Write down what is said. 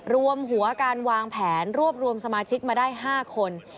รวมหัวการวางแผนรวบรวมสมาชิกมาได้๕คน